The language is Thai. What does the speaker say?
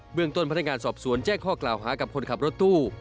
เมืองต้นพนักงานสอบสวนแจ้งข้อกล่าวหากับคนขับรถตู้